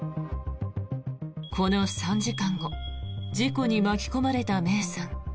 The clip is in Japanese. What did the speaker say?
この３時間後事故に巻き込まれた芽生さん。